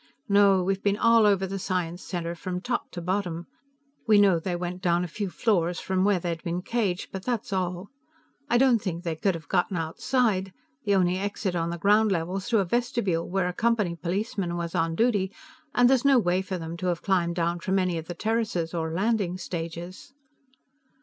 "No; we've been all over Science Center from top to bottom. We know they went down a few floors from where they'd been caged, but that's all. I don't think they could have gotten outside; the only exit on the ground level's through a vestibule where a Company policeman was on duty, and there's no way for them to have climbed down from any of the terraces or landing stages."